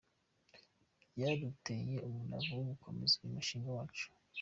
Byaduteye umurava wo gukomeza uyu mushinga wacu.